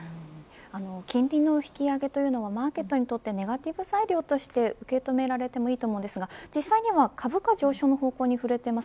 金利の引き上げはマーケットにとってネガティブ材料として受け止められてもいいと思いますが実際には株価上昇の方向に振れています。